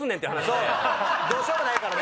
どうしようもないからね。